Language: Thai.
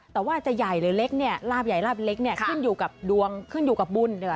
แต่ว่าจะใหญ่หรือเล็กลาบใหญ่ลาบเล็กขึ้นอยู่กับดวงขึ้นอยู่กับบุญ